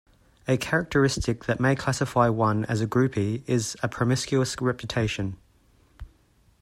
A characteristic that may classify one as a groupie is a promiscuous reputation.